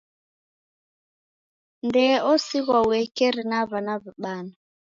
Ndee osighwa uekeri na w'ana bana.